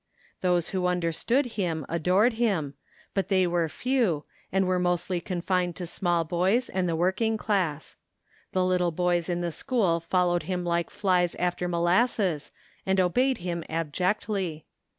Those who understood him adored him, but they were few, and were mostly confined to small boys and the working class. The little boys in the school followed him like flies after molasses and obeyed him abjectly.